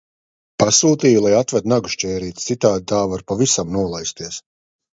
Pasūtīju lai atved nagu šķērītes, citādi tā var pavisam nolaisties.